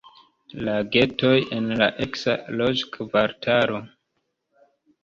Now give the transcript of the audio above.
Lagetoj en la eksa loĝkvartalo.